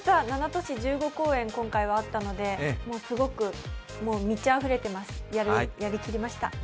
７都市１５公演あったのでもうすごく、満ちあふれてます、やりきりました。